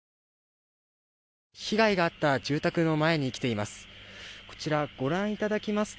被害があった住宅の前に来ています。